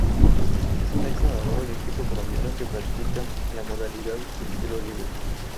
Es un ex nadador olímpico colombiano que práctica la modalidad de estilo libre.